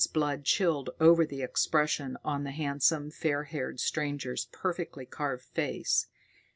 _] Northwood's blood chilled over the expression on the handsome, fair haired stranger's perfectly carved face.